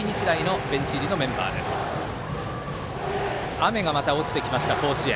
雨がまた落ちてきました、甲子園。